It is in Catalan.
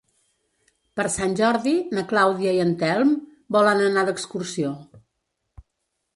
Per Sant Jordi na Clàudia i en Telm volen anar d'excursió.